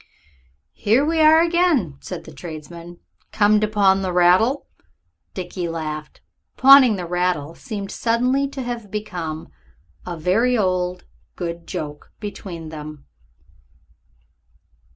"Here we are again," said that tradesman; "come to pawn the rattle?" Dickie laughed. Pawning the rattle seemed suddenly to have become a very old and good joke between them.